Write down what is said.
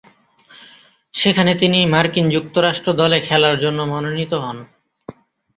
সেখানে তিনি মার্কিন যুক্তরাষ্ট্র দলে খেলার জন্যে মনোনীত হন।